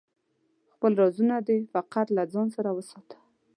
خپل رازونه دی فقط له ځانه سره وساته